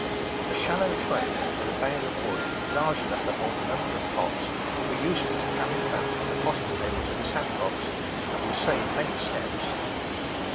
A shallow tray, with a bail of wood, large enough to hold a number of pots, will be useful to carry plants from the potting table to the sand box, and will save many steps.